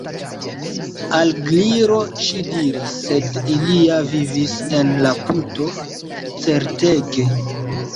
Al la Gliro ŝi diris: "Sed ili ja vivis en la puto. Certege! »